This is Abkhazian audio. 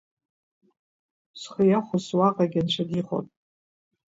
Зхы иахәоз, уаҟагьы анцәа дихәон.